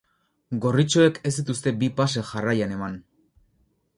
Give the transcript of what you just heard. Gorritxoek ez dituzte bi pase jarraian eman.